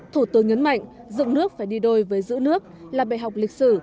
thủ tướng nhấn mạnh dựng nước phải đi đôi với giữ nước là bài học lịch sử